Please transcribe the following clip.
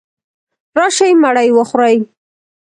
راشئ مړې وخورئ.